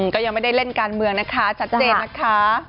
ก็ยังไม่ได้เล่นการเมืองนะคะชัดเจนนะคะ